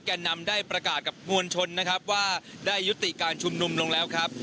แก่นำได้ประกาศกับมวลชนนะครับว่าได้ยุติการชุมนุมลงแล้วครับ